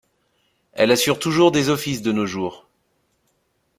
Elle assure toujours des offices de nos jours.